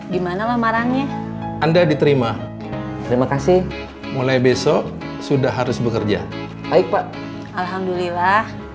gimana lamarannya anda diterima terima kasih mulai besok sudah harus bekerja baik pak alhamdulillah